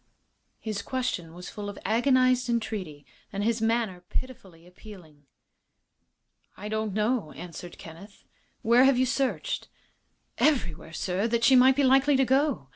His question was full of agonized entreaty, and his manner pitifully appealing. "I don't know," answered Kenneth. "Where have you searched?" "Everywhere, sir, that she might be likely to go.